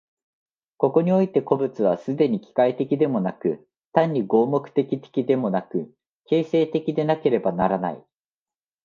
ここにおいて個物は既に機械的でもなく、単に合目的的でもなく、形成的でなければならない。